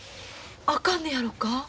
あかんのやろか？